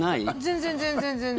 全然、全然、全然。